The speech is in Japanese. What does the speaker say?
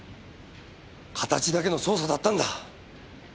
形だけの捜査だったんだ。